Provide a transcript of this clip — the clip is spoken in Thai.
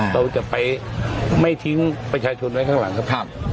เราจะไปไม่ทิ้งประชาชนไว้ข้างหลังครับ